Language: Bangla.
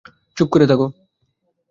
চুপ করে থাকো।